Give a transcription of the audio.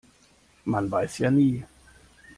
Man weiß ja nie.